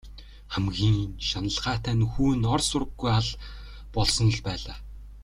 Хамгийн шаналгаатай нь хүү ор сураггүй алга болсонд л байлаа.